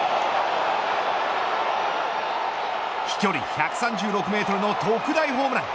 飛距離１３６メートルの特大ホームラン。